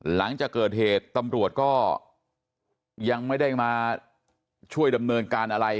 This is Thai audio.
หลังจากเกิดเหตุตำรวจก็ยังไม่ได้มาช่วยดำเนินการอะไร